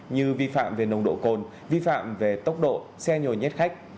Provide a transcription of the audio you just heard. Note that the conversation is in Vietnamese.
như vi phạm về nồng độ cồn vi phạm về tốc độ xe nhồi nhét khách